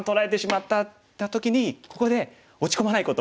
って時にここで落ち込まないこと。